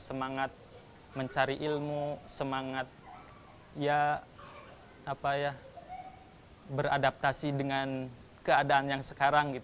semangat mencari ilmu semangat beradaptasi dengan keadaan yang sekarang